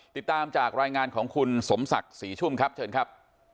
ติดตามจากรายงานของคุณสมศักดิ์ศรีชุ่มครับเชิญครับ